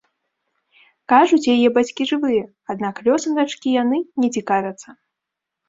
Кажуць, яе бацькі жывыя, аднак лёсам дачкі яны не цікавяцца.